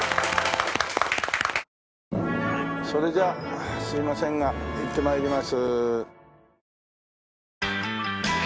それじゃすいませんが行って参ります。